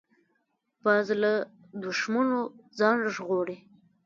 باز له دوښمنو ځان ژغوري